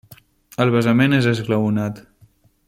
El basament és esglaonat.